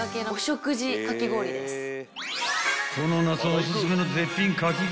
［この夏オススメの絶品かき氷］